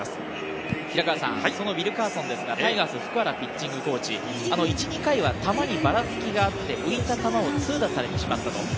ウィルカーソンは、タイガース福原ピッチングコーチ、１２回は球にばらつきがあって浮いた球を痛打されてしまった。